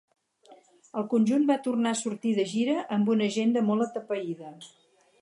El conjunt va tornar a sortir de gira amb una agenda molt atapeïda.